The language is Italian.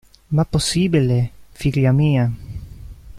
Ma possibile, figlia mia?